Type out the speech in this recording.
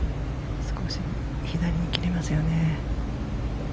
少し左に切れますよね。